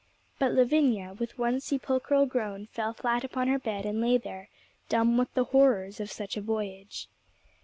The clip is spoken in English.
But Lavinia, with one sepulchral groan, fell flat upon her bed, and lay there, dumb with the horrors of such a voyage.